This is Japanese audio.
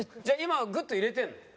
じゃあ今はグッと入れてるの？